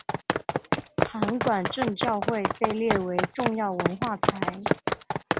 函馆正教会被列为重要文化财。